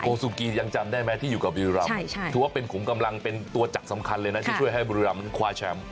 ซูกียังจำได้ไหมที่อยู่กับบุรีรำถือว่าเป็นขุมกำลังเป็นตัวจักรสำคัญเลยนะที่ช่วยให้บุรีรำคว้าแชมป์